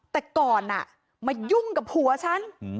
แต่ก่อนมายุ่งกับผัวฉัน